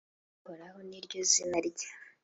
uhoraho ni ryo zina rye.